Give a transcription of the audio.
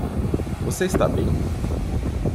Você está bem?